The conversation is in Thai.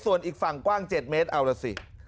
ส่วนอีกฝั่งกว้าง๗เมตรเอาล่ะสิ